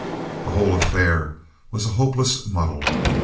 The whole affair was a hopeless muddle.